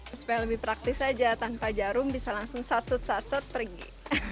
supaya lebih praktis saja tanpa jarum bisa langsung satsut satsut pergi